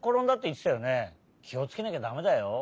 きをつけなきゃだめだよ。